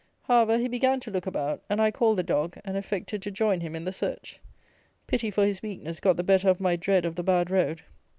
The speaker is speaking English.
However, he began to look about; and I called the dog, and affected to join him in the search. Pity for his weakness got the better of my dread of the bad road.